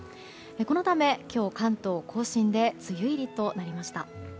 このため、今日関東・甲信で梅雨入りとなりました。